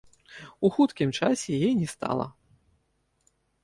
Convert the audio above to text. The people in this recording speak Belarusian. У хуткім часе яе не стала.